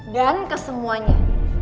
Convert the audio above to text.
dan ke semuanya